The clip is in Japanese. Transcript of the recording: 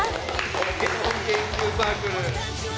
ポケモン研究サークル。